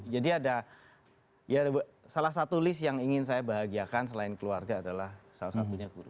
jadi ada salah satu list yang ingin saya bahagiakan selain keluarga adalah salah satunya guru